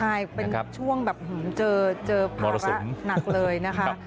ใช่เป็นช่วงแบบเจอภาวะหนักเลยนะคะ